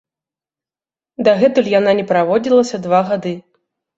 Дагэтуль яна на праводзілася два гады.